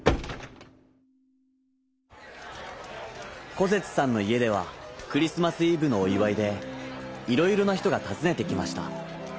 コゼツさんのいえではクリスマスイブのおいわいでいろいろなひとがたずねてきました。